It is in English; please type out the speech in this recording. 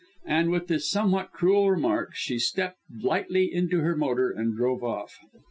And, with this somewhat cruel remark, she stepped lightly into her motor, and drove off.